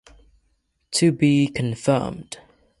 To Be Confirmed